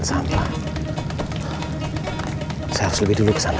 saya harus lebih dulu ke sana